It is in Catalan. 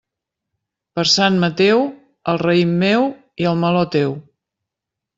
Per Sant Mateu, el raïm meu i el meló, teu.